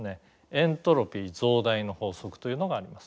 エントロピー増大の法則というのがあります。